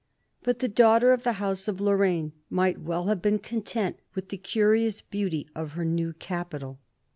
But the daughter of the House of Lorraine might well have been content with the curious beauty of her new capital.